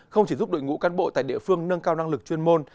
không chỉ giúp đội ngũ cán bộ tại địa phương nâng cao năng lực chuyên môn